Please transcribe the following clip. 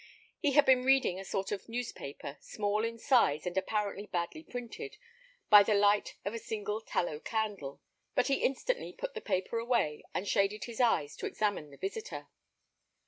He had been reading a sort of newspaper, small in size and apparently badly printed, by the light of a single tallow candle; but he instantly put the paper away, and shaded his eyes to examine the visitor.